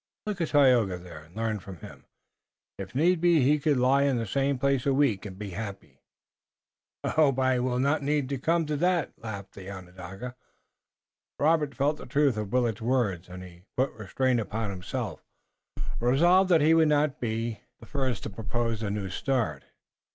Look at Tayoga there and learn from him. If need be he could lie in the same place a week and be happy." "I hope the need will not come," laughed the Onondaga. Robert felt the truth of Willet's words, and he put restraint upon himself, resolved that he would not be the first to propose the new start.